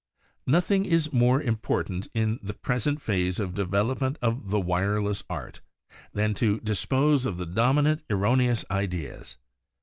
Nothing is more important in the present phase of development of the wireless art than to dispose of the dominating erroneous ideas.